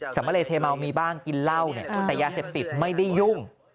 สำเรเทเมามีบ้างกินเหล้าเนี่ยแต่ยาเสพติดไม่ได้ยุ่ง